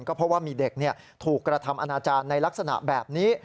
เพราะว่ามีเด็กถูกกระทำอนาจารย์ในลักษณะแบบนี้